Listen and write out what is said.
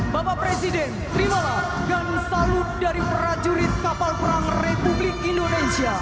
bapak presiden terima kasih dan salu dari prajurit kapal perang republik indonesia